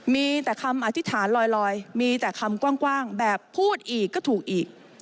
มีแต่คำอธิษฐานลอยมีแต่คำกว้างแบบพูดอีกก็ถูกอีก